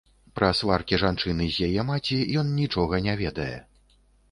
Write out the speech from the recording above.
Пра сваркі жанчыны з яе маці ён нічога не ведае.